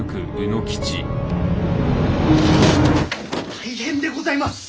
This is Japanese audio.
大変でございます！